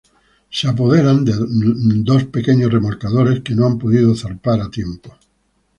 Se apoderan de dos pequeños remolcadores que no han podido zarpar a tiempo.